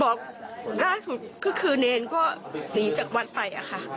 บอกได้สุดคือเนนก็หนีจากวัดไปค่ะ